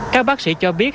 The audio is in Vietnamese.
các bác sĩ cho biết